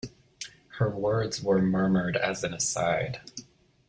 Her words were murmured as an aside.